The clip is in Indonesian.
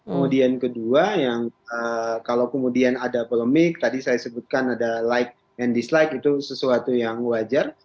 kemudian kedua yang kalau kemudian ada polemik tadi saya sebutkan ada like and dislike itu sesuatu yang wajar